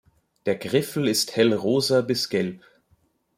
Der Griffel ist hellrosa bis gelb.